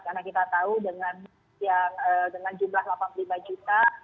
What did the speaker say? karena kita tahu dengan jumlah delapan puluh lima juta